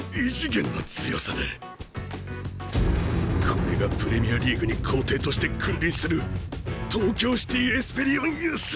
これがプレミアリーグに皇帝として君臨する東京シティ・エスペリオンユース！